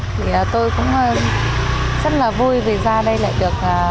thì tôi cũng rất là vui về ra đây lại được